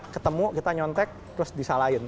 ketemu kita nyontek terus disalahin